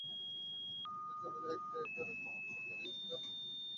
দুজনের শুরুটা একই রকম, আশা করি জিদানও একই রকম সাফল্য পাবে।